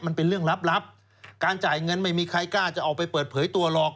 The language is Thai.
มันเป็นเรื่องลับการจ่ายเงินไม่มีใครกล้าจะออกไปเปิดเผยตัวหรอก